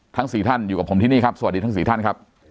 ๔ท่านอยู่กับผมที่นี่ครับสวัสดีทั้ง๔ท่านครับ